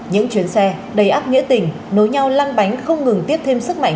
những chuyến xe đầy ấp nghĩa tình nối nhau lăn bánh không ngừng tiếp thêm sức mạnh